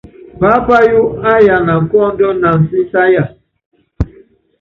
Paápayɔ́ áyana kɔ́ ɔɔ́nd na ansísáya.